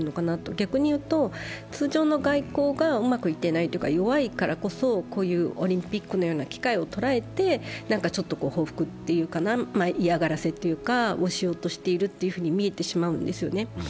逆に言うと、通常の外交がうまくいっていないというか弱いからこそ、こういうオリンピックのような機会を捉えて何かちょっと報復というか、嫌がらせをしようとしているように見えてしまうんですよね。